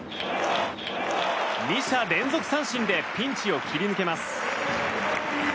２者連続三振でピンチを切り抜けます。